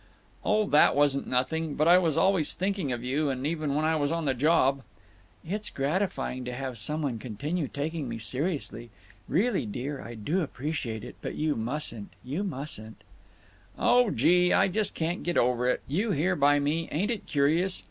"Oh, that wasn't nothing…. But I was always thinking of you, even when I was on the job—" "It's gratifying to have some one continue taking me seriously…. Really, dear, I do appreciate it. But you mustn't—you mustn't—" "Oh, gee! I just can't get over it—you here by me—ain't it curious!